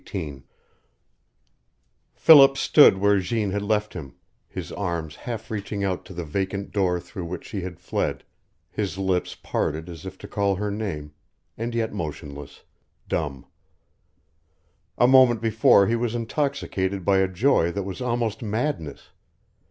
XVIII Philip stood where Jeanne had left him, his arms half reaching out to the vacant door through which she had fled, his lips parted as if to call her name, and yet motionless, dumb. A moment before he was intoxicated by a joy that was almost madness.